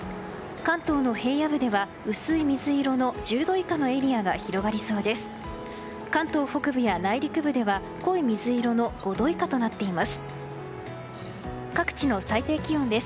関東の平野部では薄い水色の１０度以下のエリアが広がりそうです。